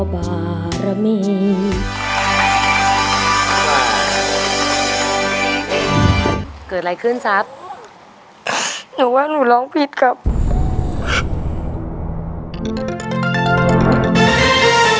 โปรดติดตามตอนต่อไป